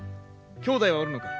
兄弟はおるのか？